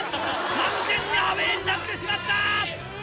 完全にアウェーになってしまった。